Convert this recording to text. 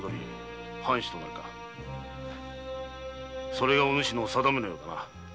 それがお主の定めのようだな。